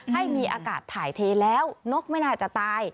ให้มีอากาศถ่ายเทแล้วนกไม่น่าจะตาย